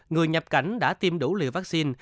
người nhập cảnh đã tiêm đủ lựa vaccine